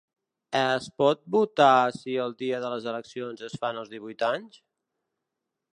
Es pot votar si el dia de les eleccions es fan els divuit anys?